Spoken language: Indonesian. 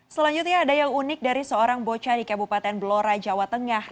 selanjutnya ada yang unik dari seorang bocah di kabupaten blora jawa tengah